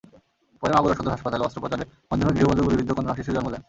পরে মাগুরা সদর হাসপাতালে অস্ত্রোপচারের মাধ্যমে গৃহবধূ গুলিবিদ্ধ কন্যাশিশু জন্ম দেন।